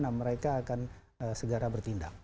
nah mereka akan segera bertindak